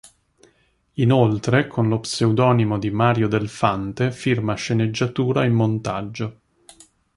Inoltre, con lo pseudonimo di Mario Del Fante, firma sceneggiatura e montaggio.